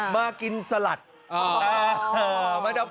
มากินสลัด